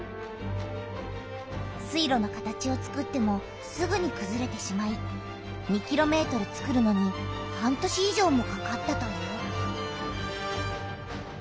水路の形をつくってもすぐにくずれてしまい２ｋｍつくるのに半年い上もかかったという。